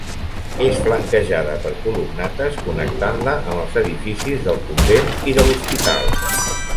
És flanquejada per columnates connectant-la amb els edificis del convent i de l'hospital.